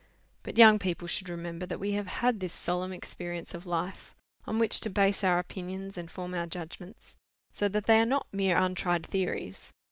But young people should remember that we have had this solemn experience of life, on which to base our opinions and form our judgments, so that they are not mere untried theories.